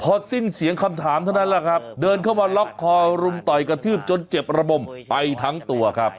พอสิ้นเสียงคำถามเท่านั้นแหละครับเดินเข้ามาล็อกคอรุมต่อยกระทืบจนเจ็บระบมไปทั้งตัวครับ